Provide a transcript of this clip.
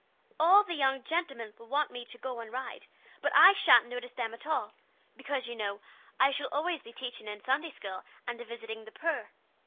All the young gentlemen will want me to go and ride, but I shan't notice them at all, because you know I shall always be teaching in Sunday school, and visiting the poor.